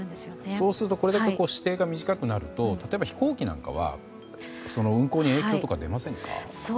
そうすると視程が短くなると例えば飛行機なんかは運航に影響とか出ませんか？